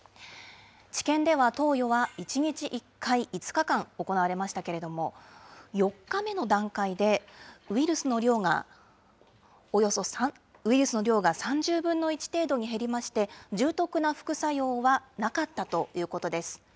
治験では投与は１日１回、５日間行われましたけれども、４日目の段階で、ウイルスの量が３０分の１程度に減りまして、重篤な副作用はなかったということです。